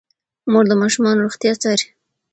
مور د ماشومانو روغتیا څاري.